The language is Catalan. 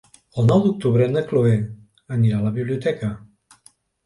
El nou d'octubre na Chloé anirà a la biblioteca.